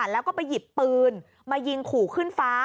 แล้วก็ไปหยิบปืนมายิงขู่ขึ้นฟ้า